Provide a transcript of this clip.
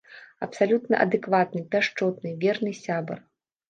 Абсалютна адэкватны, пяшчотны, верны сябар.